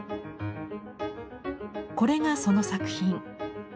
これがその作品。